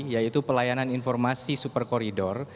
yaitu pelayanan informasi super koridor